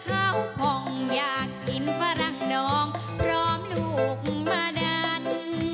ข้าวผ่องอยากกินฝรั่งน้องพร้อมลูกมาดัน